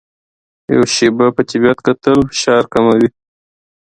یو شېبه په طبیعت کې کتل فشار کموي.